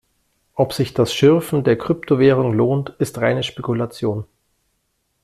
Ob sich das Schürfen der Kryptowährung lohnt, ist reine Spekulation.